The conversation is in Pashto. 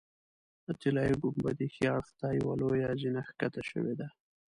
د طلایي ګنبدې ښي اړخ ته یوه لویه زینه ښکته شوې ده.